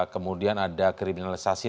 kemudian ada kriminalisasi